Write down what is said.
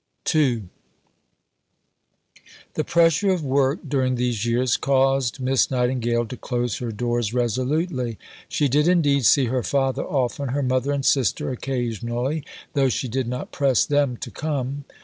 II The pressure of work during these years caused Miss Nightingale to close her doors resolutely. She did indeed see her father often; her mother and sister occasionally, though she did not press them to come.